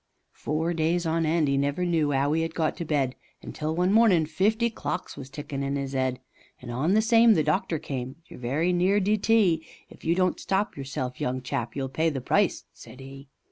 Four days on end 'e never knew 'ow 'e 'ad got to bed, Until one mornin' fifty clocks was tickin' in 'is 'ead, And on the same the doctor came, "You're very near D.T., If you don't stop yourself, young chap, you'll pay the price," said 'e.